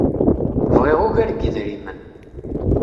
Bɣiɣ ugar n yidrimen.